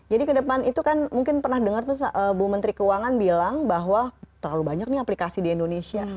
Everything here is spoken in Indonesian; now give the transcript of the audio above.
jadi kedepan itu kan mungkin pernah dengar tuh bu menteri keuangan bilang bahwa terlalu banyak nih aplikasi di indonesia